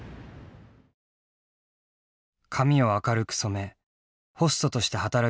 髪を明るく染めホストとして働くようになっていたのだ。